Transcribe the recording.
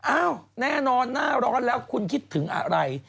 อ้าวแน่นอนหน้าร้อนแล้วคุณคิดถึงอะไร